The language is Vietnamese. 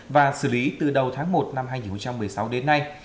và xử lý từ đầu tháng một năm hai nghìn một mươi sáu đến nay